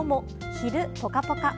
昼、ポカポカ。